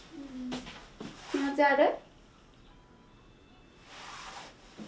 気持ち悪い？